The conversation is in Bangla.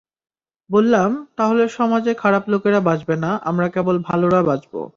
বললাম, তাহলে সমাজে খারাপ লোকেরা বাঁচবে না, আমরা কেবল ভালোরা বাঁচব।